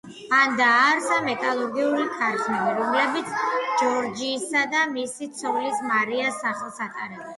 მან დააარსა მეტალურგიული ქარხნები, რომლებიც ჯორჯისა და მისი ცოლის, მარიას სახელს ატარებენ.